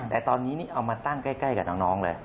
แต่ตอนนี้นี่เอามาตั้งใกล้กับน้องเลย